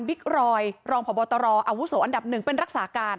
รอยรองพบตรออาวุโสอันดับหนึ่งเป็นรักษาการ